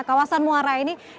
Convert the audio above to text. kawasan muara ini dikembang